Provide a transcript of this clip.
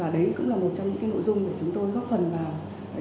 và đấy cũng là một trong những cái nội dung để chúng tôi góp phần vào